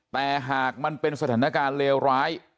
แต่หากมันเป็นสถานการณ์เลวร้าย